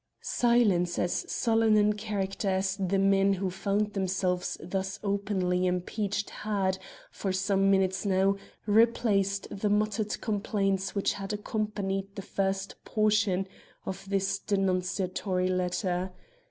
Silence as sullen in character as the men who found themselves thus openly impeached had, for some minutes now, replaced the muttered complaints which had accompanied the first portion of this denunciatory letter.